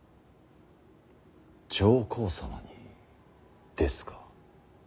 上皇様にですか。